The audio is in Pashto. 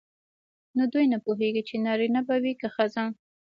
نو دوی نه پوهیږي چې نارینه به وي که ښځه.